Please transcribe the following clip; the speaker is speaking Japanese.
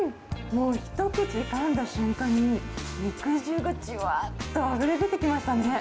もう、一口かんだ瞬間に、肉汁がじゅわーっとあふれ出てきましたね。